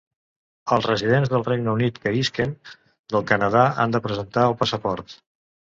Els residents del Regne Unit que isquen del Canadà han de presentar el passaport.